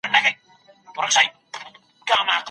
هغه چي زما ملکری وای نو ارمان به وای .